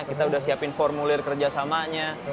kita sudah menyiapkan formulir kerjasamanya